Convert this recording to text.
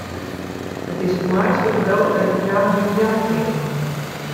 It is it moaiste kado dat hja him jaan kin.